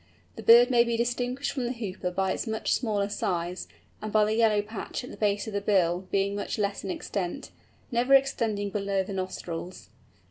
The bird may be distinguished from the Hooper by its much smaller size, and by the yellow patch at the base of the bill being much less in extent, never extending below the nostrils.